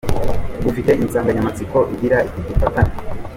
ufite insanganyamatsiko igira iti dufatane.